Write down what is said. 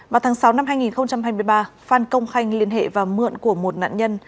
vào tháng sáu năm hai nghìn hai mươi ba phan công khanh liên hệ và mượn của một nạn nhân